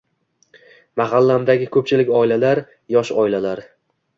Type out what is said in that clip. Mahallamdagi ko‘pchilik oilalar — yosh oilalar.